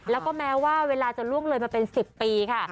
แล้วก็แม้ว่าเวลาจะล่วงเลยมาเป็น๑๐ปีค่ะ